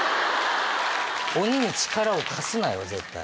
鬼に力を貸すなよ絶対。